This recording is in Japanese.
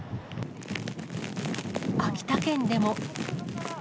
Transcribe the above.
秋田県でも。